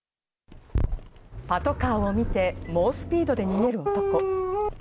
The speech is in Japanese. パトカーを見て、猛スピードで逃げる男。